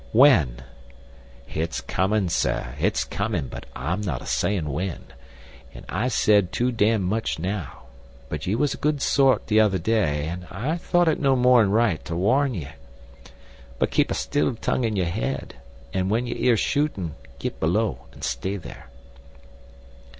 "When?" "Hit's comin', sir; hit's comin' but I'm not a sayin' wen, an' I've said too damned much now, but ye was a good sort t'other day an' I thought it no more'n right to warn ye. But keep a still tongue in yer 'ead an' when ye 'ear shootin' git below an' stay there.